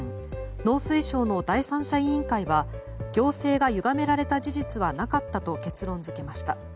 農水省の第三者委員会は行政がゆがめられた事実はなかったと結論付けました。